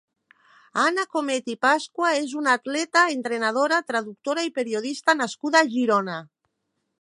Anna Comet i Pascua és una atleta, entrenadora, traductora i periodista nascuda a Girona.